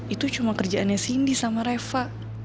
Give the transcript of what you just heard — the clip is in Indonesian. itu cuma kerjaannya cindy sama reva